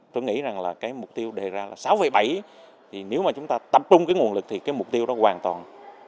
tôi nghĩ rằng mục tiêu đề ra là sáu bảy nếu chúng ta tập trung nguồn lực thì mục tiêu đó hoàn toàn